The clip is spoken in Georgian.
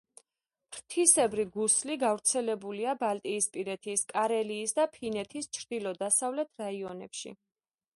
ფრთისებრი გუსლი გავრცელებულია ბალტიისპირეთის, კარელიის და ფინეთის ჩრდილო-დასავლეთ რაიონებში.